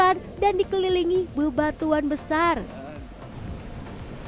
orden panggung hai hok pop dong calls